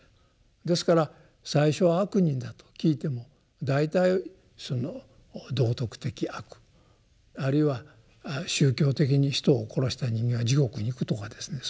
ですから最初は「悪人」だと聞いても大体その道徳的悪あるいは宗教的に人を殺した人間は地獄に行くとかですね